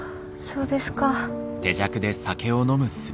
そうですか。